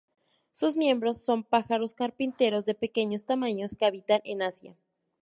Sus miembros son pájaros carpinteros de pequeño tamaño que habitan en Asia.